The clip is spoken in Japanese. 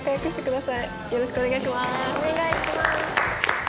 よろしくお願いします。